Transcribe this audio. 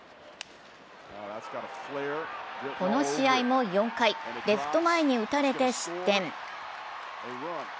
この試合も４回、レフト前に打たれて失点。